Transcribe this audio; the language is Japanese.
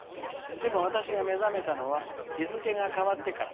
でも、私が目覚めたのは日付が変わってから。